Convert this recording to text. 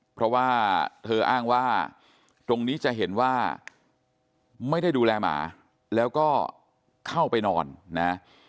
เพราะว่าเธออ้างว่าตรงนี้จะเห็นว่าไม่ได้ดูแลหมาแล้วก็เข้าไปนอนนะ